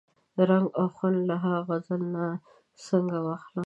رنګ او خوند له ها غزل نه څنګه واخلم؟